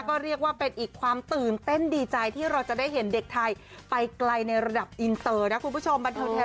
ก็เรียกว่าเป็นอีกความตื่นเต้นดีใจที่เราจะได้เห็นเด็กไทยไปไกลในระดับอินเตอร์นะคุณผู้ชม